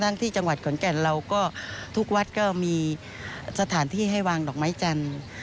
ที่จังหวัดขอนแก่นเราก็ทุกวัดก็มีสถานที่ให้วางดอกไม้จันทร์